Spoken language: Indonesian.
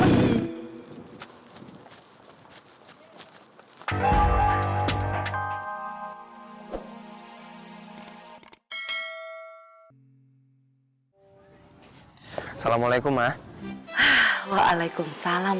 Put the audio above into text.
assalamualaikum ah waalaikumsalam